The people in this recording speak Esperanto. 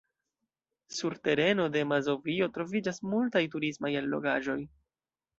Sur tereno de Mazovio troviĝas multaj turismaj allogaĵoj.